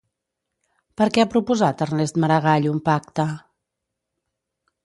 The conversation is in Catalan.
Per què ha proposat Ernest Maragall un pacte?